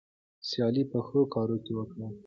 سیالي په ښو کارونو کې وکړئ.